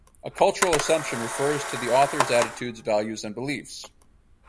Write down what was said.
A cultural assumption refers to the authors attitudes, values and beliefs.